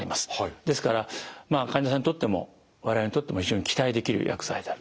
ですから患者さんにとっても我々にとっても非常に期待できる薬剤である。